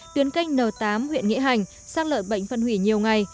tuyến canh n tám huyện nghĩa hành sát lợn bệnh phân hủy nhiều ngày